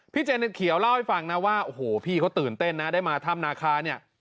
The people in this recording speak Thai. เจนเขียวเล่าให้ฟังนะว่าโอ้โหพี่เขาตื่นเต้นนะได้มาถ้ำนาคาเนี่ย